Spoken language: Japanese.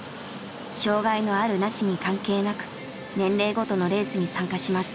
障害のあるなしに関係なく年齢ごとのレースに参加します。